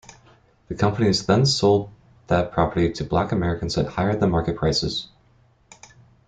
The companies then sold that property to black Americans at higher-than-market prices.